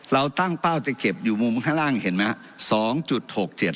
เราตั้งเป้าจะเก็บอยู่มุมข้างล่างเห็นไหมครับ